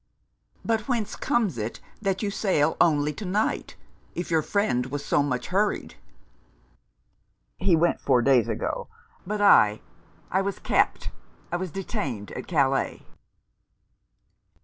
'But whence comes it that you sail only to night, if your friend was so much hurried?' 'He went four days ago; but I I was kept I was detained at Calais.'